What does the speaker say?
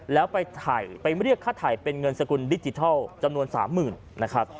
แล้วไปเรียกค่าถ่ายเป็นเงินสกุลดิจิทัลจำนวน๓๐๐๐๐บาท